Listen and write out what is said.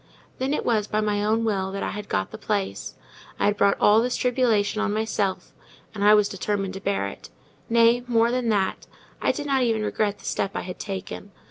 Then it was by my own will that I had got the place: I had brought all this tribulation on myself, and I was determined to bear it; nay, more than that, I did not even regret the step I had taken.